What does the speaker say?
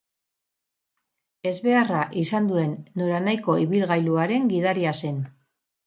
Ezbeharra izan duen noranahiko ibilgailuaren gidaria zen.